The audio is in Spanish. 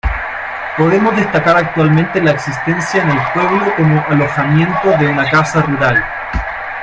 Podemos destacar actualmente la existencia en el pueblo como alojamiento de una casa rural.